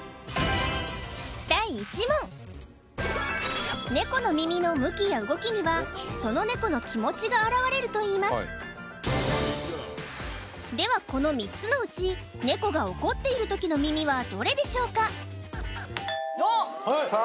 第１問ネコの耳の向きや動きにはそのネコの気持ちが表れるといいますではこの３つのうちネコが怒っている時の耳はどれでしょうかさあ